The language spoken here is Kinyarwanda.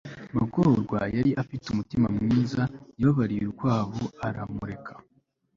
magorwa yari afite umutima mwiza; yababariye urukwavu aramureka